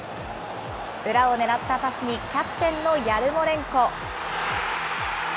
裏を狙ったパスに、キャプテンのヤルモレンコ。